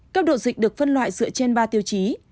các độ dịch được phân loại dựa trên ba tiêu chí